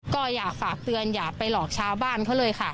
ก็อยากฝากเตือนอย่าไปหลอกชาวบ้านเขาเลยค่ะ